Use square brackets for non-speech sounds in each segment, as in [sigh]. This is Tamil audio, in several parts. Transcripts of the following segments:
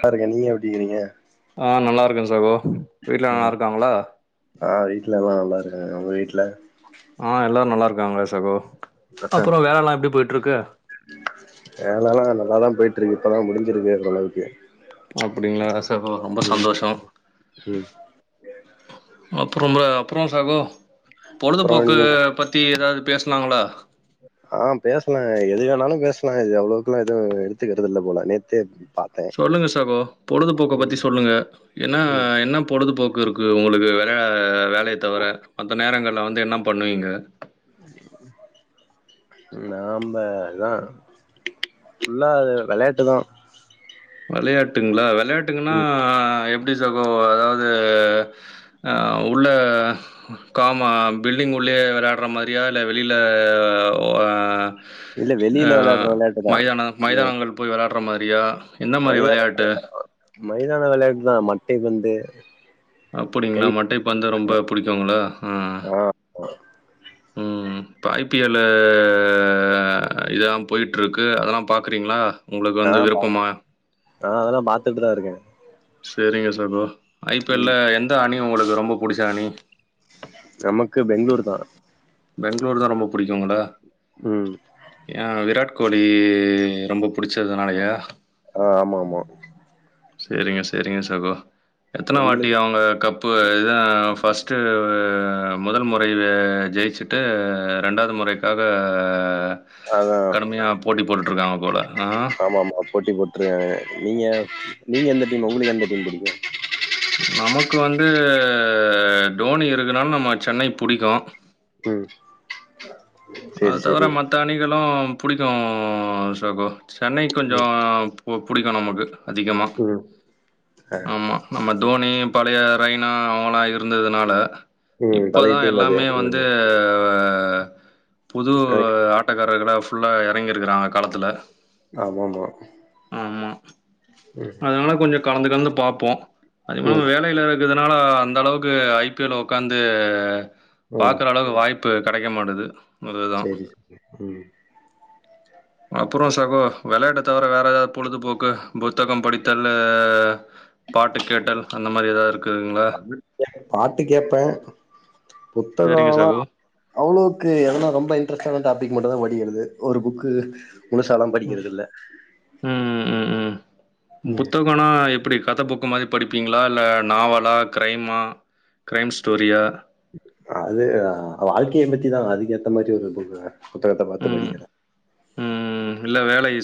பாருங்க நீங்க எப்டிகிறீங்க ஆ நல்லாருக்க சாகோ வீட்ல நல்லாருக்காங்ளா வீட்லல்லா நல்லாருக்காங்க உங்க வீட்ல ஆ எல்லாரு நல்லாருக்காங்களே சகோ அக் அ அப்புறோ வேலல்லா எப்டி போயிட்டு இருக்கு வேலல்லா நல்லாதாங்க போயிட் ட்ருக்கு இப்பதா முடிஞ்சிருக்கு ஓர் அளவுக்கு அப்டிங்கள ஓகே ரொம்ப சந்தோஷ ம் அப்புறங்க அப்புறம் சகோ அப்புறம் பொழுதுபோக்கு நீங்க பத்தி ஏதாவது பேசனாங்களா ஆ பேசலா எது வேணாலு பேசலா இது அவ்வளவுக்குெல்லா எதுவு எடுத்துக்கறது இல்ல போல நேத்தே பாத்தேன் சொல்லுங்க சகோ பொழுதுபோக்க பத்தி ம் சொல்லுங்க என்ன ம் என்ன பொழுதுபோக் கு இருக்கு உங்களுக்கு வே வேலைய தவிர மத்த நேரங்கள்ல வந்து என்ன பண்ணுவீங்க நாம்ம தா ஃபுல்லா அது விளையாட்டுதா விளையாட்டுங்களா விளையாட்டுங்கன்னா எப் எப்படி சகோ அதாவது ஆ உள்ள காமா பில்டிங் உள் ளே விளயாடுர மாரியா இல்ல வெளில ஓ அ இல்ல ஆ வெளியில விளையாடுற விளையாட்டு தான் மைதான இந்த மைதானங்கள் போய் விளயா ர மாரியா என்ன மாரி மைதான விளையாட்டு மைதான விளையாட்டுதா மட்டை பந்து கை அப்படிங்களா மட்டை பந்து ரொம்ப புடிக்குங்களா ஆ [inaudible] இப்போ ஐ பி எல்லு இதலா போய்ட்டுருக்கு அதெல்லா பாக்குறீங்களா உங்களுக்கு ஆ வந்து பா விருப்பமா ஆ அதெல்லா பாத்துட்டுதா இருக்க சரிங்க சகோ ஐ பி எல்ல எந்த அணி உங்களுக்கு ரொம்ப புடிச்ச அணி நமக்கு பெங்களூர் தா பெங்களூரு தா ரொம்ப பிடிக்கும்ங்களா ம் ஏ விராட் கோலி ரொம்ப பிடிச்சதுனாலயா ஆ ஆமா ஆமா செரிங்க செரிங்க சகோ எத்தன வாட்டி உங்களுக்கு அவங்க கப்பு இதா ஃபர்ஸ்ட்டு ஆ முதல் முறை ஜெயிச்சுட்டு ரெண்டாவது முறைக்காக அதா கடுமையா போட்டி போட்டுட்ருக்காங்க போல ஆ ஆமா ஆமா போட்டி போட்ருக்காங்க நீங்க நீங்க எந்த டீம் உங்களுக்கு எந்த டீம் பிடிக்கு நமக்கு வந்து டோனி இருக்குனால நம்ம சென்னை புடிக்கு ம் சரி அது தவர சரி மத்த அணிகளு புடிக்கு சகோ சென்னை கொஞ்ச ம், புடிக்கு நமக்கு அதிகமா ம் ஆமா நம்ம தோனி பழைய ரைனா அவங்களா இருந்ததுனால ம் இப்போ பழைய தா டீம் அது எல்லாமே ம் வந்து ஆ புது எனக்கு ஆட்டக்காரர்களா ஃபுல்லா இறங்கி இருக்காங்க கலத்துல ஆமா ஆமா ஆமா ம் அதனால கொஞ்ச கலந்து கலந்து பாப்போ அதிகமா ம் வேலைல இருக்க னால அந்த அளவுக்கு ஐ பி எல் உட்காந்து ம் பாக்கற அளவுக்கு வாய்ப் பு கிடைக்க மாட்டது சரி உம் அப்புறம் சகோ விளையாட்ட தவிர வேற ஏதாவது பொழுதுபோக்கு புத்தக படித்தல்ல பாட்டு கேட்டல் அந்த மாரி ஏதாவது இருக்குதுங்களா சரிங்க புத்தகலா சகோ. அவ்ளவுக்கு எனான ரொம் ப இன்ட்ரெஸ்டான டாபிக் மட்டு தா படிக்கறது ஒரு புக் முழுசாலா ம். படிக்கறதுல்ல ம், ம், ம். புத்தகம்னா எப்படி கத புக் மாரி படிப் படிப்பீங்களா இல்ல நாவலா கிரைமா க்ரைம் ஸ்டோரியா அது வாழ்க்கைய பத்திதா அதுக்கு ஏத்த மாரி ஒரு புக் புத்தகத்த பாத்து ம். படிக்கிற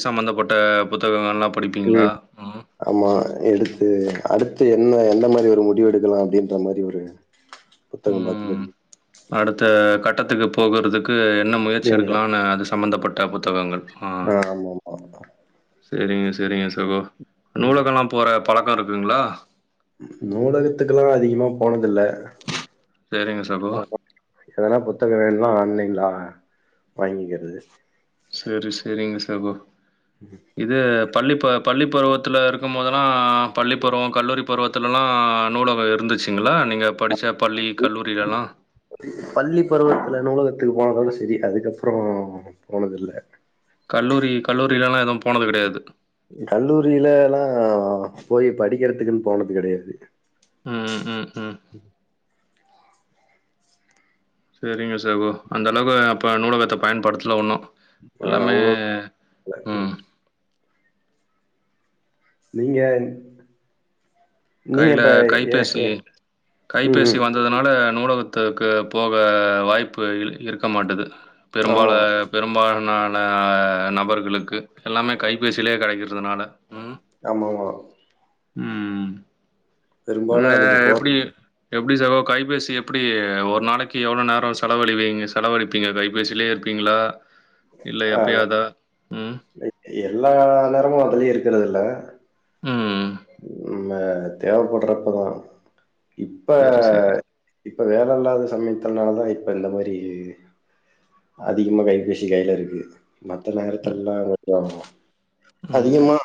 சம்பந்தப்பட்ட புத்தகங்கலா ம் ஆமா எடுத் து அடுத்து என்ன என்ன மாரி ஒரு முடிவெடுக்கலா அப்டின்ற மாரி ஒரு புத்தகம் பாத்து ம் படி அடுத்த கட்டத்துக்கு போகறதுக்கு என்ன முயற்சி என்னடா எடுக்கலானு அது சம்பந்தப்பட்ட புத்தகங்கள் ஆ ஆமா ஆமா செரிங்க செரிங்க சகோ நூலகலா போற பழக்கருக்குங்களா நூலகத்துக்குலா அதிகமா போன துல்ல சரிங்க சகோ. எதனா புத்தக வேணுனா ஆன்லைன் ல வாங்கிக்கிறது சரி சரிங்க சகோ இது பள்ளி ப பள்ளி பருவத்திலருக்கும்போதெல்லா பள்ளிப்பருவம் கல்லூரி பருவத்துலலா நூலக இருந்துச்சு ங்களா நீங்க படிச்ச பள்ளி கல்லூரிலலா ட்டுக்கு போனதோட செரி அதுக்கப்றோ போனதில்ல கல்லூரி கல்லூரிலலா எதும் கல்லூரிலலா போய் படிக்கிறதுக்குன் போனது கெடையாது ம் ம் ம் செரிங்க சகோ அந்தளவு அப்ப நூலகத்த பயன்படுத்தல ஒன்னு ஆ எல்லாமே அவ்ளோ ம் நீங்கன் கைல கைபேசி ம் கைபேசி ம் வந்ததுனால நூலகத்துக்கு போக வாய்ப்பு இரு இருக்க மாட்டது பெரும்பால ஆமா பெரும்பாலான ந நபர்களுக்கு எல்லாமே கைபேசிலேயே கெடைக்குது அதனால ம் ஆமாமா ம் அ பெரும்பாலு அதுக்கு போ எப்டி எப்டி சகோ கைபேசி எப்டி ஒரு நாளக்கி எவ்ளோ நேரோ செலவழிவீங்க செலவழிப்பீங்க கைபேசிலயேருப்பீங்ளா இல்ல எப்பயாதா ம் எல்லா நேரமு அதுலயேருக்கிறதுல்ல ம் ம் அ தேவப்படுறப்ப தா இப்ப செரி செரி இப்ப வேலல்லாத சமையத் துனால தான் இப்ப இந்த மாரி அதிகமா கைப்பேசி கைலருக்கு மத்த ம் நேரத்துலலா [unintelligible] ம் அதிகமா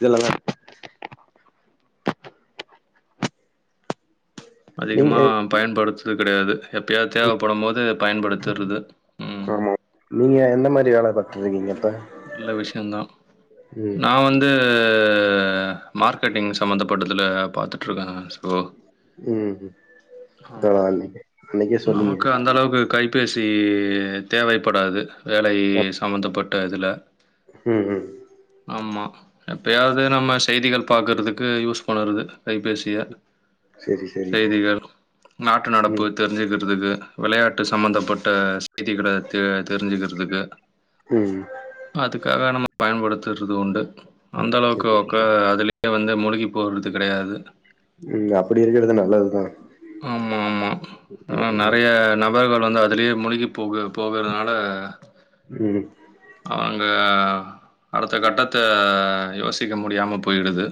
இதுலதா நீங்க அதிகமா பயன்படுத்துது கெடையாது எப்பயாது தேவப்படும்போது பயன்படுத்துறுது ம் என்ன மாரி வேல பாத்துட்ரிக்கீங்க நல்ல விஷயந்தா ம் நா வந்து அ மார்க்கெட்டிங் சம்பந்தப்பட்டதுல பாத்துட்ருக்க சகோ ம் பரவால்லிங்க அன்னைக்கே சொன்னீங்க பேசி தேவைப்படாது வேலை சம்மந்தப்பட்ட இதுல ம் ம் ஆமா எப்பயாவ்து நம்ம செய்திகள் பாக்கறதுக்கு யூஸ் பண்ணரது கைபேசிய செரி செரி செய்திகள் நாட்டு நடப்பு ம் தெரிஞ்சுக்க றதுக்கு வெளையாட்டு சம்பந்தப்பட்ட செய்திகள தெ தெரிஞ்சுக்கிறதுக்கு ம் அதுக்காக நம்ம பயன்படுத்துறது உண்டு அந்தளவுக்கு செரி ஒக்க அதுலயே வந்து முழுகி போறது கெடையாது ம் அப்டி இருக்கிறது நல்லதுதா ஆமா ஆமா ம் நறைய நபர்கள் வந்து அதுலயே முழுகி போக போகறதுனால ம் ம் அவங்க அடுத்த கட்டத்த யோசிக்க முடியாம போயிடுது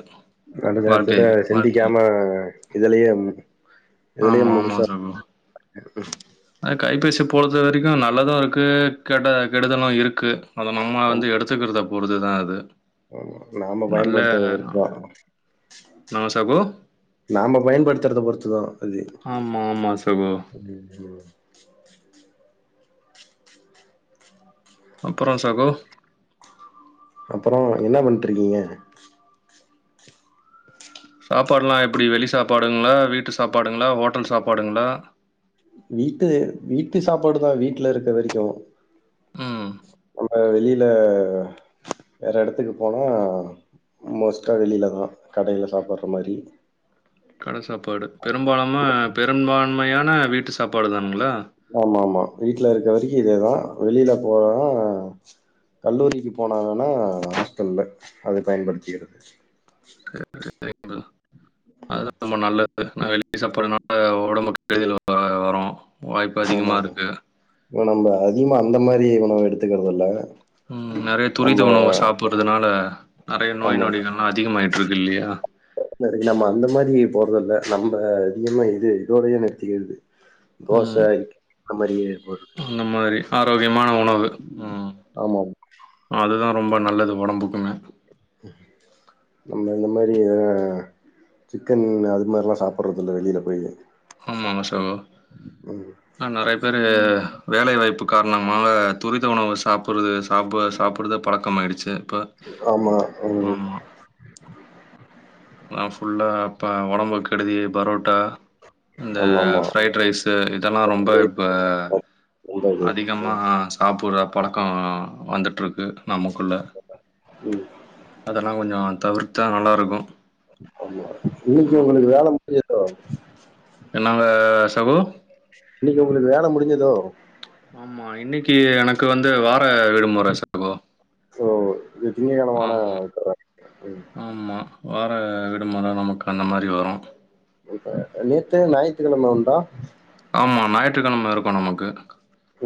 கண்ட நேரத்துட்ட வாழ்க்கைக்கு வாழ்க்கையில். சிந்திக்காம இதுலயே இதுலயே ஆமா ஆமா முழுசா சகோ ஆ கைபேசிப்பு பொறுத்த வரைக்கு நல்லது இருக்கு கெட்ட கெடுதலு இருக்கு அத நம்ம ஆமா வந்து எடுத்துக்கிறதப் பொருத்துதா அது ஆமா நாம நல்ல பயன்படுத்துறத ஆ பொறுத்து தா என்ன சகோ? நாம பயன்படுத்துறத பொறுத்துதா அது ஆமா, ஆமா சகோ. அய்யய்யோ அப்பறோ சகோ அப்பறோ என்ன பண்ணிட்ருக்கீங்க சாப்பாட்லா எப்டி வெளி சாப்பாடுங்ளா வீட்டு சாப்பாடுங்ளா ஹோட்டல் சாப்பாடுங்ளா வீட்டு வீட்டு சாப்பாடு தா வீட்ல இருக்க வரைக்கு ம். நம்ம வெளில வேற எடத்துக்கு போனா மோஸ்ட்டா வெளிலதா கடேல சாப்பட்ற மாரி கட சாப்பாடு பெரும்பாலாம பெரும்பான்மையான வீட்டு சாப்பாடு தானுங்ளா ஆமா ஆமா வீட்லருக்க வரிக்கு இதேதா வெளியில போனா கல்லூரிக்கு போனாங்கன்னா ஹாஸ்டல்ல அது பயன்படுத்தியது [unintelligible] ம். அதுதா ரொம்ப நல்லது நா வெளிய சாப்புட்றனா அ ஒடம்புக்கு கெடுதல் [unintelligible] அ வரு ஆமா ப்ரோ நம்ப அதிகமா அந்த மாரி உணவு எடுத்துக்கறதில்ல ம் நெறைய துரித உணவ சாப்பிட்றதுனால நெறைய நோய் நொடிகள்லா அதிகமாயி ட்ருக்கில்லியா ந து நம்ம அந்த மாரி போறதில்ல நம்ப அதிகமா இது இதோடையே நிற்த்திகிற்து தோச ம். இட்லி அந்த மாரி போய்றது அந்த மாரி ஆரோக்கியமான உணவு. ம். ஆமா அதுதான் ரொம்ப நல்லது ஒடம்புக்குமே நம்ம இந்த மாரி அ சிக்கன் அது மாரிலா சாப்பறதில்ல வெளில போயி ஆமாங்க சகோ ம். ந நெறைய பேரு வேலை வாய்ப்பு காரணமாக துரித உணவு சாப்புட்றுது சாப்ப சாப்புடுது பழக்கமாயிடுச்சு இப்ப ஆமா. ம். ஆமா அ ஃபுல்லா அப்ப ஒடம்புக் கெடுதி பரோ ட்தா இந்த ஆமாமா. ஃப்ரைட் ரைஸு இதெல்லா ரொம்ப இப்ப ரொம்ப இது. அதிகமா ம். சாப்புற பழக்கோ வந்துட்ருக்கு நமக்குள்ள ம். அதெல்லா கொஞ்சோ தவிர்த்தா நல்லாருக்கு [unintelligible] இன்னைக்கு ஆமா. உங்குளுக்கு வேல முடி [inaudible] தோ என்னங்க சகோ? இன்னைக்கு உங்குளுக்கு வேல முடிஞ்சிதோ ஆமா இன்னைக்கி எனக்கு வந்து வா ஓ இத் திங்ககெழம ஆனா ஆமா. [unintelligible] ஆமா வார விடுமுற நமக்கு அந்த மாரி வரு [inaudible] நேத்து ஞாயித்துக்கெழம உண்டா ஆமா ஞாயிற்றுக்கெழம இருக்கு நமக்கு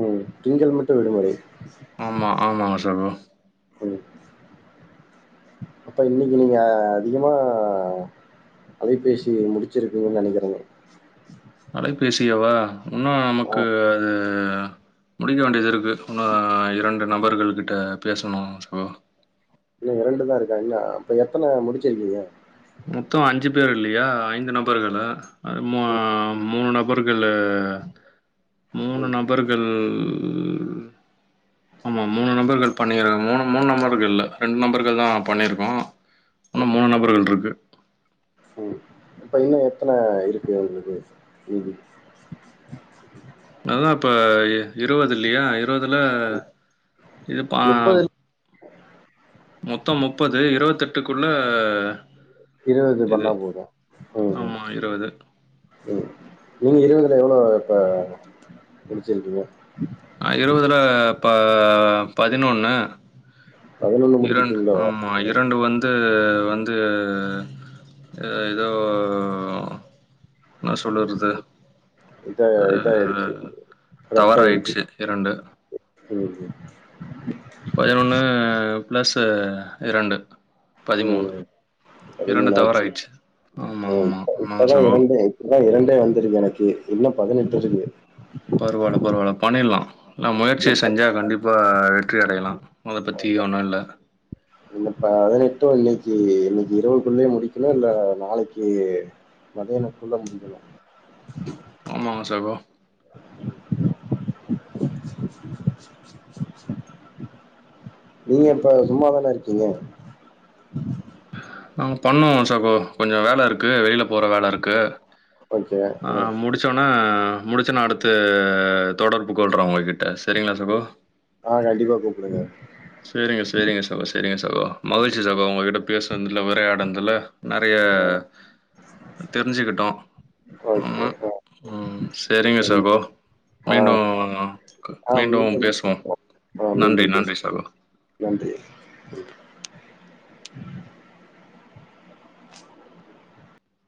ம் திங்கள் மட்டு விடுமுறை ஆமா ஆமா சகோ ம். அப்ப இன்னைக்கி நீங்க அதிகமா அலைபேசிய முடிச்சிருப்பீங்கன் நெனைக்கறங்க அலைபேசியவா உன்னு ஆ. நமக்கு அது முடிக்க வேண்டியதிருக்கு உன்னு ஆ இரண்டு நபர்கள் கிட்ட பேசனு சகோ இன்னு இரண்டுதாருக்கா இன அப்ப எத்தன முடிச்சிருக்கீங்க மொத்தோ அஞ்சு பேரில்லியா ஐந்து நபர்களு அது மோ மூனு நபர்கள் இல்ல மூனு ம். நபர்கள் ஆமா மூனு நபர்கள் பண்ணிறக மூனு மூனு நம்பர்கள்ல ரெண் நம்பர்கள் தா பண்ணிருக்கோ உன்னு மூனு நம்பர்கள்ட்ருக்கு ம் இப்ப இன்னு எத்தன இருக்கு உங்குளுக்கு மீதி [inaudible] அதுதா இப்ப இ இருவது இல்லையா இர் இருவதுல இது பாம் மொத்த முப்பது இருவத்தெட்டுக்குள்ள இருவது பண்ணா போது ம் ம் ஆமா ம் நீங்க இருவதுல எவ்வளோ இப்ப முடிச்சிருக்கீங்க ஆ இருவதுல ப பதினொன்னு இரண்ட் முடிச்சிட்டீங்களோ? ஆமா இரண்டு வந்து வந் து ஏ இதோ ஓ நா சொல்லறது இப்ப இதாயிடுச்சு ரத்தாயிடுச்சு தவறாயிடுச்சு ம் ம் பதினொன்னு ப்ளஸு இரண்டு பதிமூணு இரண்டு தவறாய்ட்ச்சு ஏய் இப்ப இப்பதா இரண்டே இப்பதா இரண்டே வந்துருக்கு எனக்கே இன்னு பதினெட்டு ம். இருக்கு நாம் முயற்சிய இன்னும் ப செஞ்சா கண்டிப்பா வெற்றி அடையலா அத பத்தி ஒன்னு இல்ல இந்த பதுனெட்டு இன்னைக்கு இன்னைக்கு இரவுக்குள்ளே முடிக்கணு இல்ல நாளைக்கு மதியானக்குள்ள முடிக்கணு ஆ சகோ [inaudible] நீங்க இப்ப சும்மாதான இருக்கீங்க நாம பண்ணுவோ சகோ கொஞ்ச வேல இருக்கு வெளில போற வேல இருக்கு ஓகே. ஆ ம். முடிச்சோன அ முடிச்சு நா அடுத்து தொடர்ப்பு கொல்றே ஒங்ககிட்ட செரிங்ளா சகோ ஆ கண்டிப்பா கூப்டுங்க சேரிங்க சேரிங்க சகோ சேரிங்க சகோ மகிழ்ச்சி சகோ உங்ககிட்ட பேசன்துல உரையாடன்துல்ல நெறைய ஆ. தெரிஞ்சுக்கிட்டோ ஓகே. ஆமா ஆ. ம் சேரிங்க ம். சகோ ஆ. மீண்டு க மீண்டும் பேசுவோ ஆ நன்றி மீண்டும் நன்றி பேசுவோம். சகோ நன்றி